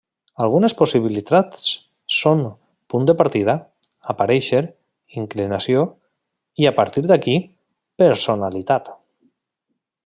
Algunes possibilitats són 'punt de partida', 'aparèixer', 'inclinació' i a partir d'aquí, 'personalitat'.